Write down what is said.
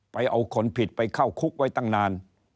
เอาคนผิดไปเข้าคุกไว้ตั้งนาน